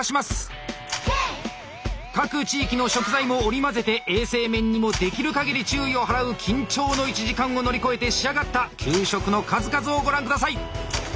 各地域の食材も織り交ぜて衛生面にもできるかぎり注意を払う緊張の１時間を乗り越えて仕上がった給食の数々をご覧下さい！